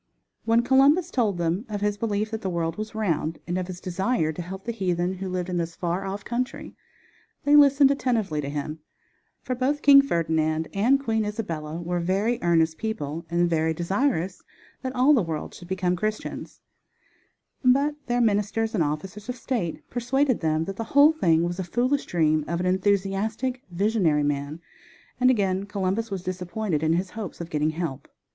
When Columbus told them of his belief that the world was round, and of his desire to help the heathen who lived in this far off country, they listened attentively to him, for both King Ferdinand and Queen Isabella were very earnest people and very desirous that all the world should become Christians; but their ministers and officers of state persuaded them that the whole thing was a foolish dream of an enthusiastic, visionary man; and again Columbus was disappointed in his hope of getting help.